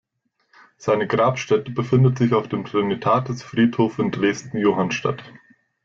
Seine Grabstätte befindet sich auf dem Trinitatisfriedhof in Dresden-Johannstadt.